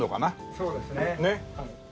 そうですねはい。